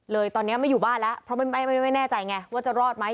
เลยตอนนี้ไม่อยู่บ้านแล้วเพราะไม่แน่ใจไงว่าจะรอดไหม